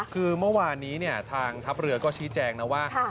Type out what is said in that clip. คือเมื่อวานนี้ทางทัพเรือก็ชี้แจงนะว่า